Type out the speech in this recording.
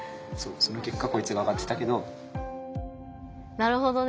なるほどね。